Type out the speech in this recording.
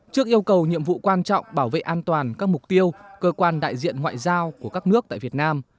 trước yêu cầu nhiệm vụ quan trọng bảo vệ an toàn các mục tiêu cơ quan đại diện ngoại giao của các nước tại việt nam